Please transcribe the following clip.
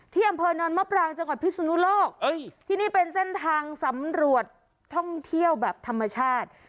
ที่อำเภอนอนมะปรางจังหวัดพิศนุโลกที่นี่เป็นเส้นทางสำรวจท่องเที่ยวแบบธรรมชาติ